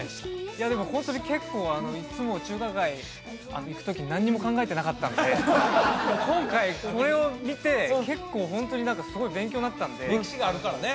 いやでもホントに結構いっつも中華街行くとき何にも考えてなかったんで今回これを見て結構ホントに何かすごい勉強になったんで歴史があるからね